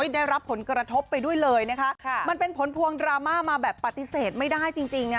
ได้รับผลกระทบไปด้วยเลยนะคะมันเป็นผลพวงดราม่ามาแบบปฏิเสธไม่ได้จริงจริง